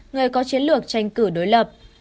người có chiến lược tranh cử đối lập